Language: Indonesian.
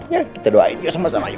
ya kita doain ya sama sama yuk